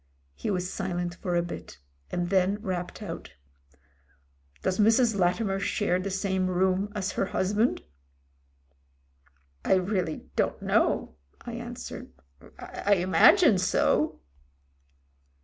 He was silent for a bit and then rapped out. "Does Mrs. Latimer share the same room as her husband?" "I really don't know," I answered. "I imagine so."